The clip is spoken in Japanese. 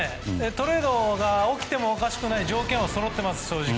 トレードが起きてもおかしくない条件はそろっています、正直。